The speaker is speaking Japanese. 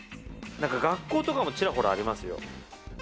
なんか学校とかもちらほらありますよ。